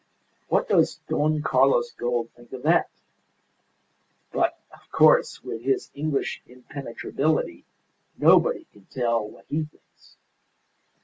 What does Don Carlos Gould think of that? But, of course, with his English impenetrability, nobody can tell what he thinks.